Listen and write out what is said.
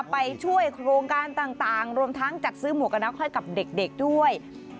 ไปช่วยโครงการต่างรวมทั้งจัดสู้หมวกกันแล้วค่อยกับเด็กด้วย